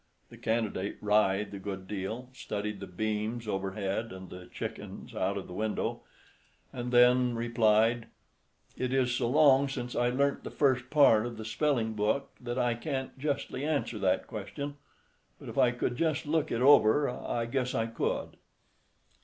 The candidate writhed a good deal, studied the beams overhead and the chickens out of the window, and then replied, "It is so long since I learnt the first part of the spelling book, that I can't justly answer that question. But if I could just look it over, I guess I could."